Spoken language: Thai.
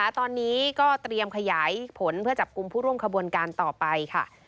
ตอนนี้ก็เตรียมขยายผลเพื่อจับกลุ่มผู้ร่วมขบวนการต่อไปค่ะ